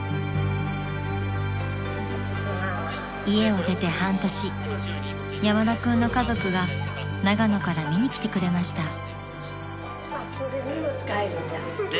［家を出て半年山田君の家族が長野から見に来てくれました］